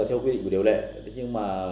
theo quy định của điều lệ nhưng mà